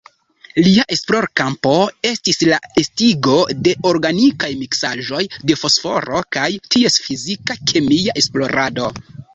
Lia esplorkampo estis la estigo de organikaj miksaĵoj de fosforo kaj ties fizika-kemia esplorado.